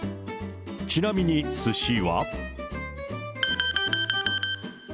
ちなみにすしは。